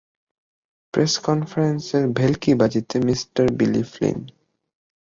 Press কনফারেন্সের ভেল্কিবাজিতে mister Billy Flynn.